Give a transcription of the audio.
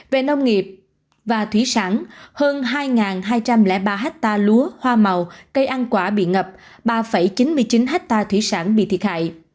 về nông nghiệp và thủy sản hơn hai hai trăm linh ba hectare lúa hoa màu cây ăn quả bị ngập ba chín mươi chín hectare thủy sản bị thiệt hại